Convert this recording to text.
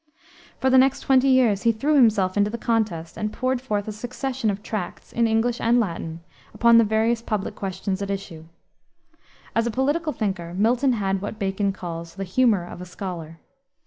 For the next twenty years he threw himself into the contest, and poured forth a succession of tracts, in English and Latin, upon the various public questions at issue. As a political thinker, Milton had what Bacon calls "the humor of a scholar."